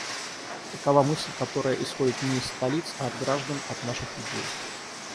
Такова мысль, которая исходит не из столиц, а от граждан, от наших людей.